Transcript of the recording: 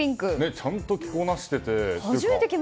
ちゃんと着こなしてて。